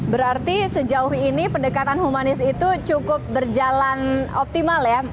berarti sejauh ini pendekatan humanis itu cukup berjalan optimal ya